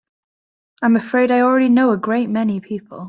I'm afraid I already know a great many people.